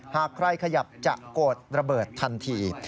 หากใครขยับจะโกรธระเบิดทันที